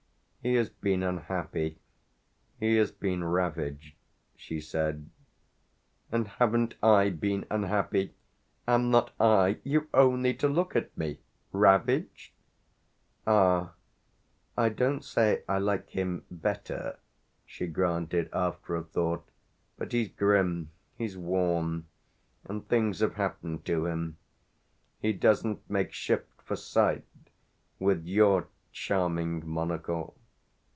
"He has been unhappy, he has been ravaged," she said. "And haven't I been unhappy? Am not I you've only to look at me! ravaged?" "Ah I don't say I like him better," she granted after a thought. "But he's grim, he's worn and things have happened to him. He doesn't make shift, for sight, with your charming monocle."